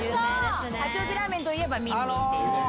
八王子ラーメンといえばみんみんっていうね。